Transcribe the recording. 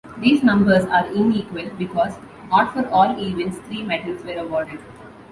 These numbers are inequal, because not for all events three medals were awarded.